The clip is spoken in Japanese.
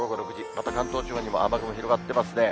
また関東地方にも雨雲広がってますね。